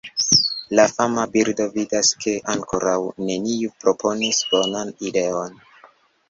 La fama birdo vidas ke ankoraŭ neniu proponis bonan ideon.